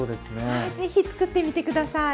はいぜひ作ってみて下さい。